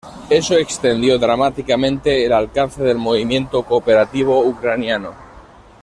Esto extendió dramáticamente el alcance del movimiento cooperativo ucraniano.